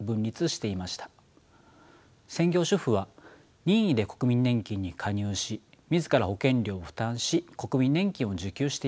専業主婦は任意で国民年金に加入し自ら保険料を負担し国民年金を受給していました。